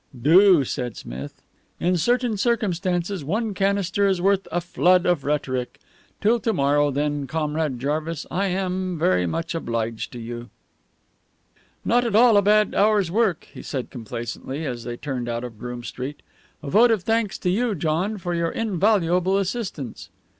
"Do," said Smith. "In certain circumstances one canister is worth a flood of rhetoric. Till to morrow, then, Comrade Jarvis. I am very much obliged to you." "Not at all a bad hour's work," he said complacently, as they turned out of Groome Street. "A vote of thanks to you, John, for your invaluable assistance."